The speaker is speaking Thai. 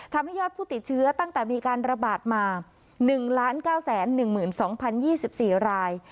ทำให้ยอดผู้ติดเชื้อตั้งแต่มีการระบาดมา๑๙๑๒๐๒๔ราย